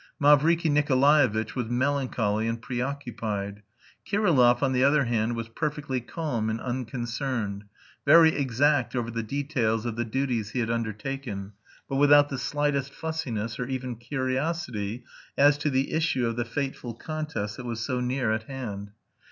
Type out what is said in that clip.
Mavriky Nikolaevitch was melancholy and preoccupied. Kirillov, on the other hand, was perfectly calm and unconcerned, very exact over the details of the duties he had undertaken, but without the slightest fussiness or even curiosity as to the issue of the fateful contest that was so near at hand.